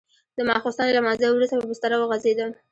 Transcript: د ماخستن له لمانځه وروسته په بستره وغځېدم.